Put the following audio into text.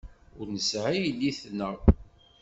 Ur nesɛi yelli-tneɣ.